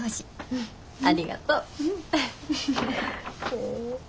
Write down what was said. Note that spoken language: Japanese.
うんありがとう。